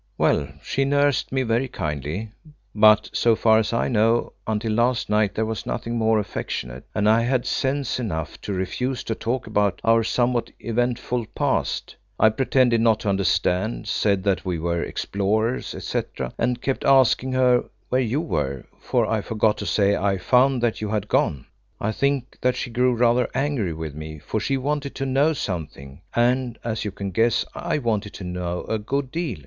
"Well, she nursed me very kindly, but, so far as I know, until last night there was nothing more affectionate, and I had sense enough to refuse to talk about our somewhat eventful past. I pretended not to understand, said that we were explorers, etc., and kept asking her where you were, for I forgot to say I found that you had gone. I think that she grew rather angry with me, for she wanted to know something, and, as you can guess, I wanted to know a good deal.